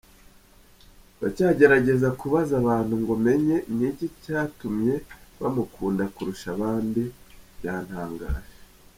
Ndacyagerageza kubaza abantu ngo menye ni iki cyatumye bamukunda kurusha abandi, byantangaje !”.